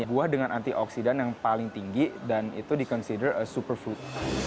buah dengan antioksidan yang paling tinggi dan itu di consider a super fruit